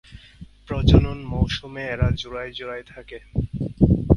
প্রজনন মৌসুমে এরা জোড়ায় জোড়ায় থাকে।